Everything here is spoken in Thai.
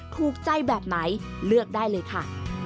ถูกใจแบบไหนเลือกได้เลยค่ะ